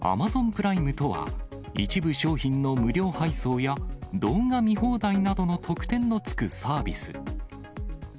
プライムとは、一部商品の無料配送や動画見放題などの特典の付くサービス。